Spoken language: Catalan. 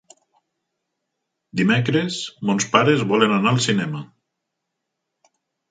Dimecres mons pares volen anar al cinema.